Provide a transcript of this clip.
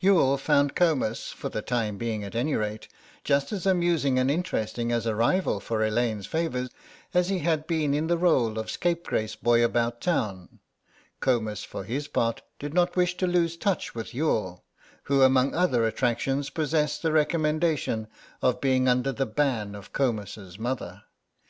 Youghal found Comus, for the time being at any rate, just as amusing and interesting as a rival for Elaine's favour as he had been in the rôle of scapegrace boy about Town; Comus for his part did not wish to lose touch with Youghal, who among other attractions possessed the recommendation of being under the ban of Comus's mother.